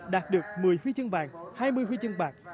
đạt được một mươi huy chương vàng hai mươi huy chương bạc